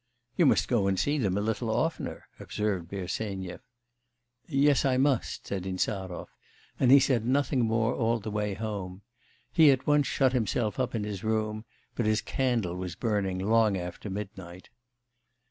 'You must go and see them a little oftener,' observed Bersenyev. 'Yes, I must,' said Insarov; and he said nothing more all the way home. He at once shut himself up in his room, but his candle was burning long after midnight.